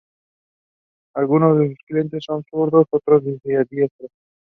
Algunos de sus clientes son zurdos; otros, diestros.